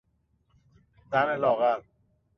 زن لاغر